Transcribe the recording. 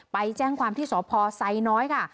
ไปแจ้งความที่สพไซน้อยค่ะ